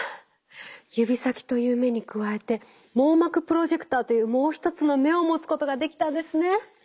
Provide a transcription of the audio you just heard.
指先という目に加えて網膜プロジェクターというもう一つの目を持つことができたんですね。